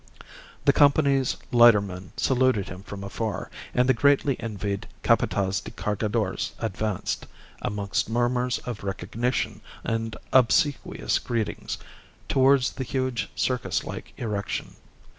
The Company's lightermen saluted him from afar; and the greatly envied Capataz de Cargadores advanced, amongst murmurs of recognition and obsequious greetings, towards the huge circus like erection.